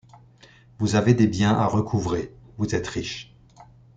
Vous avez des biens à recouvrer, vous êtes riche.